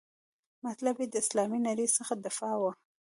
مطلب یې د اسلامي نړۍ څخه دفاع وه.